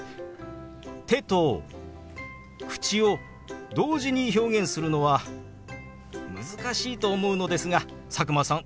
手と口を同時に表現するのは難しいと思うのですが佐久間さん